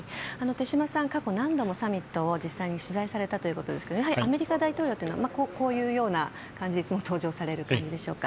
手嶋さん、過去何度もサミットを実際に取材されたということですがやはりアメリカ大統領はこういう感じでいつも登場される感じですか。